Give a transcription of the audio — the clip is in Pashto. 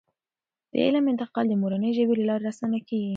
د علم انتقال د مورنۍ ژبې له لارې اسانه کیږي.